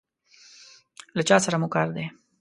له چا سره مو کار دی؟